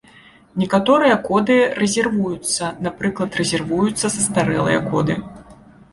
Некаторыя коды рэзервуюцца, напрыклад, рэзервуюцца састарэлыя коды.